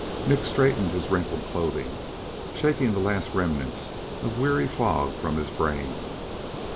Nick straightened his wrinkled clothing, shaking the last remnants of weary fog from his brain.